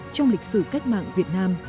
trong lịch sử cách mạng việt nam